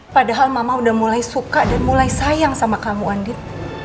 padahal mama udah mulai suka dan mulai sayang sama kamu andik